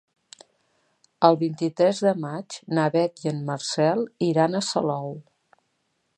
El vint-i-tres de maig na Beth i en Marcel iran a Salou.